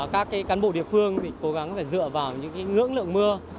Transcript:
các cái cán bộ địa phương thì cố gắng phải dựa vào những cái ngưỡng lượng mưa